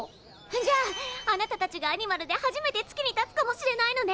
じゃああなたたちがアニマルで初めて月に立つかもしれないのね！